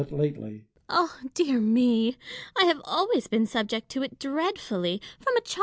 Oh, dear me ! I have always been subject to it dreadfully, from a child.